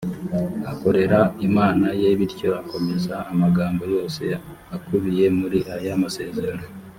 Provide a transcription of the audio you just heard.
akorera imana ye bityo akomeze amagambo yose akubiye muri aya masezerano